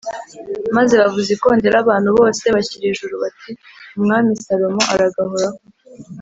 maze bavuza ikondera abantu bose bashyira ejuru bati “Umwami Salomo aragahoraho.”